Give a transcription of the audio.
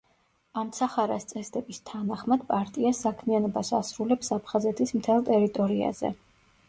ამცახარას წესდების თანახმად, პარტია საქმიანობას ასრულებს აფხაზეთის მთელ ტერიტორიაზე.